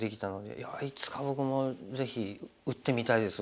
いやいつか僕もぜひ打ってみたいです